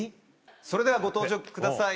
それではご登場ください